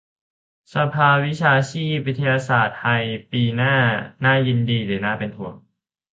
"สภาวิชาชีพวิทยาศาสตร์ไทย" ปีหน้า - น่ายินดีหรือน่าเป็นห่วง ?